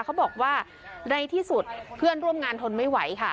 เขาบอกว่าในที่สุดเพื่อนร่วมงานทนไม่ไหวค่ะ